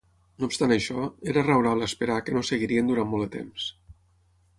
No obstant això, era raonable esperar que no seguirien durant molt de temps.